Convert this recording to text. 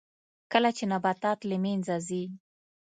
کله چې نباتات له منځه ځي